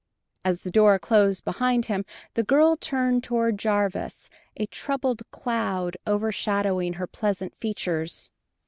As the door closed behind him, the girl turned toward Jarvis, a troubled cloud overshadowing her pleasant features.